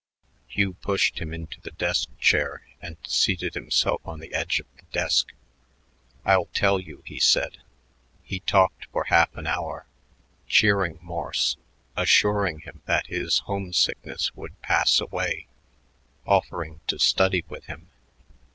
Hugh pushed him into the desk chair and seated himself on the edge of the desk. "I'll tell you," he said. He talked for half an hour, cheering Morse, assuring him that his homesickness would pass away, offering to study with him.